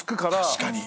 確かに。